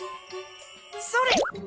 それ。